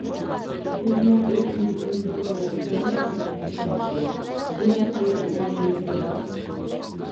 بىزنىڭ ئۇرۇقىمىزدىن بىرىمۇ زىيان - زەخمەتكە ئۇچرىماپتۇ. بۇنىڭ قايغۇرىدىغان نېمىسى بار؟